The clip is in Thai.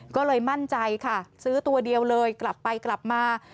ก็เลยมั่นใจค่ะซื้อตัวเดียวเลยกลับไปกลับมา